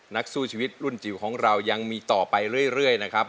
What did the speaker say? นักสู้ชีวิตรุ่นจิ๋วของเรายังมีต่อไปเรื่อยนะครับ